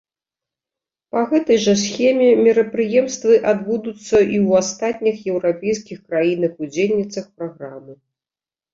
Па гэтай жа схеме мерапрыемствы адбудуцца і ў астатніх еўрапейскіх краінах-удзельніцах праграмы.